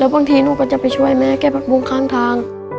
แล้วบางทีหนูก็จะไปช่วยแม่เก็บพักบุงข้างทาง